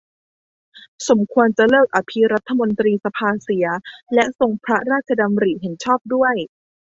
สมควรจะเลิกอภิรัฐมนตรีสภาเสีย และทรงพระราชดำริเห็นชอบด้วย